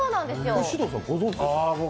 獅童さんご存じですか？